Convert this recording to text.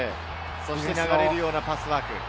流れるようなパスワーク。